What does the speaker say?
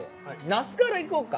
那須からいこうか？